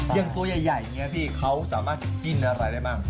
อย่างตัวใหญ่อย่างนี้พี่เขาสามารถกินอะไรได้บ้าง